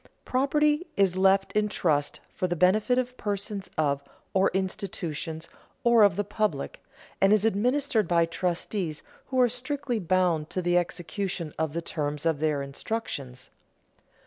Property is left in trust for the benefit of persons or of institutions or of the public, and is administered by trustees who are strictly bound to the execution of the terms of their instructions.